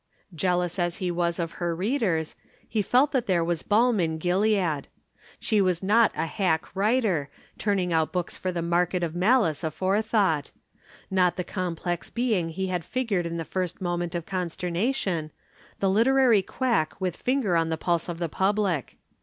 Jealous as he was of her readers, he felt that there was balm in Gilead. She was not a hack writer, turning out books for the market of malice aforethought; not the complex being he had figured in the first moment of consternation, the literary quack with finger on the pulse of the public.